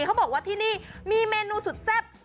เขาบอกว่าที่นี่มีเมนูสุดแซ่บ